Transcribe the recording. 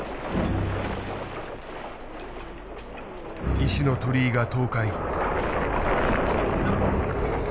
石の鳥居が倒壊。